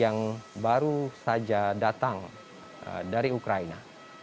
yang baru saja datang dari ukraina